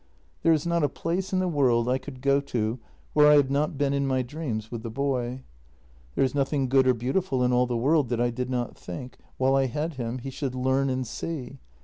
There is not a place in the world I could go to where I have not been in my dreams with the boy. There is nothing good or beautiful in all the world that I did not think, while I had him, he should learn and see.